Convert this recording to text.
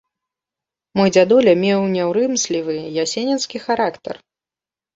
Мой дзядуля меў няўрымслівы ясенінскі характар.